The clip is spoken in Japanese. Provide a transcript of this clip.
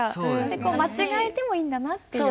間違えてもいいんだなっていう。